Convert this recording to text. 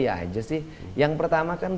saja sih yang pertama kan